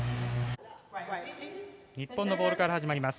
日本のボールから始まります。